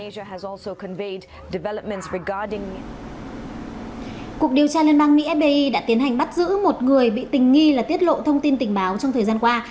cục điều tra liên bang mỹ đã tiến hành bắt giữ một người bị tình nghi là tiết lộ thông tin tình báo trong thời gian qua